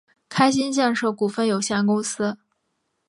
开心建设股份有限公司